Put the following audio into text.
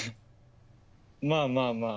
まあ、まあ、まあ。